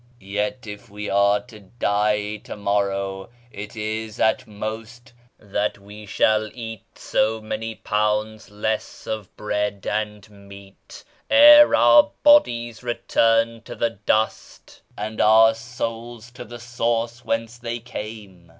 Yet, if we are to die to morrow, it is at most that we shall eat so many pounds less of bread and meat ere our bodies return to the dust and our souls to the source whence they came.'